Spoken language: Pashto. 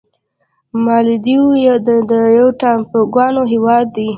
مالدیو یو د ټاپوګانو هېواد دی.